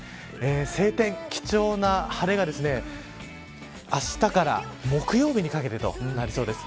晴天、貴重な晴れがあしたから木曜日にかけてとなりそうです。